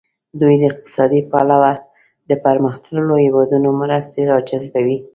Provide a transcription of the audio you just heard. دوی د اقتصادي پلوه د پرمختللو هیوادونو مرستې را جذبوي.